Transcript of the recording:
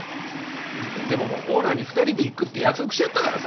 でももうオーナーに２人で行くって約束しちゃったからさ。